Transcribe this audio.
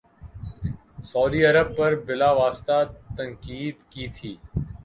سعودی عرب پر بلا واسطہ تنقید کی تھی